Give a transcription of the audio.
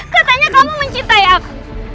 katanya kamu mencintai aku